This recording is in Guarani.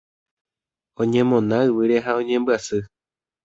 Oñemona yvýre ha oñembyasy.